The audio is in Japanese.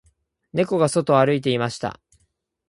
猫が外を歩いていました